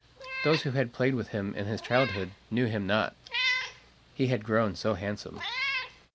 Those who had played with him in his childhood knew him not, he had grown so handsome.